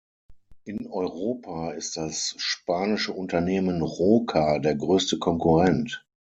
In Europa ist das spanische Unternehmen Roca der größte Konkurrent.